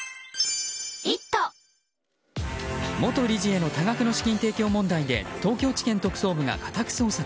元理事への多額の資金提供問題で東京地検特捜部が家宅捜索。